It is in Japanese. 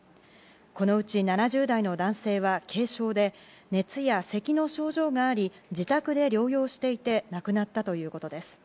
このうち７０代の男性は軽症で熱やせきの症状があり自宅で療養していて亡くなったということです。